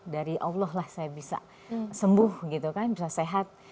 dari allah lah saya bisa sembuh gitu kan bisa sehat